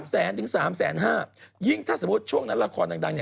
๓แสนถึง๓แสน๕ยิ่งถ้าสมมุติช่วงนั้นละครดัง